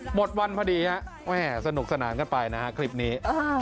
หมดวันพอดีฮะแม่สนุกสนานกันไปนะฮะคลิปนี้